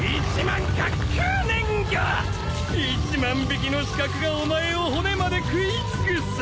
一万匹の刺客がお前を骨まで食い尽くす。